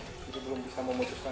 itu belum bisa memutuskan